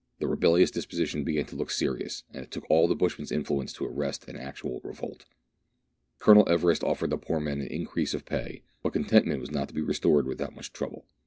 The rebellious dis position began to look serious, and it took all the bushman 's influence to arrest an actual revolt. Colonel Everest offered the poor men an increase of pay ; but contentment was not to be restored without much trouble.